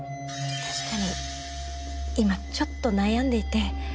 確かに今ちょっと悩んでいて。